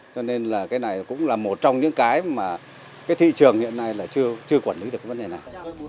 cho nên là cái này cũng là một trong những cái mà cái thị trường hiện nay là chưa quản lý được vấn đề này